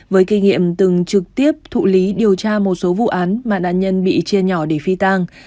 với kinh nghiệm từng trực tiếp thụ lý điều tra một số vụ án mà nạn nhân bị chia nhỏ để phi tang